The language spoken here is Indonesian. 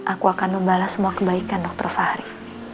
aku akan membalas semua kebaikan dokter fahri